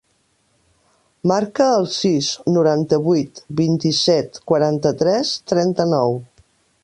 Marca el sis, noranta-vuit, vint-i-set, quaranta-tres, trenta-nou.